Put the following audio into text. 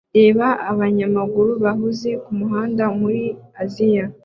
Reba abanyamaguru bahuze kumuhanda muri Aziya